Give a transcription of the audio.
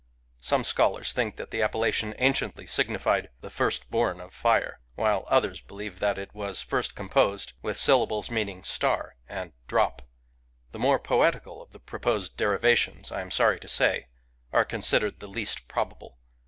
Some scholars think that the appellation anciently signified " the First born of Fire "; while others believe that it was first composed with syllables meaning "star" and "drop." The more poetical of the proposed derivations, I am sorry to say, are considered the least probable.